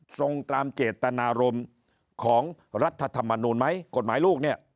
ตรงตามเจตนารมณ์ของรัฐธรรมนูลไหมกฎหมายลูกเนี่ย